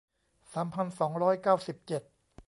สามพันสองร้อยเก้าสิบเจ็ด